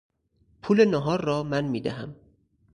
پول ناهار را من میدهم.